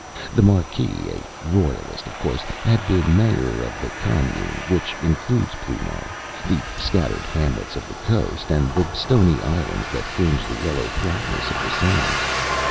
The marquise, a royalist of course, had been mayor of the commune which includes Ploumar, the scattered hamlets of the coast, and the stony islands that fringe the yellow flatness of the sands.